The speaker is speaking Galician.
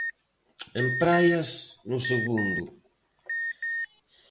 En praias, no segundo.